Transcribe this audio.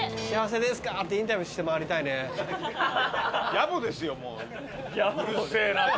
やぼですよもう。